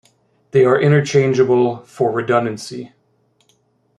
They are interchangeable for redundancy.